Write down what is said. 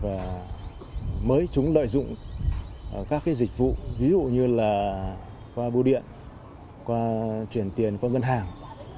và mới chúng lợi dụng các dịch vụ ví dụ như là qua bưu điện qua chuyển tiền qua ngân hàng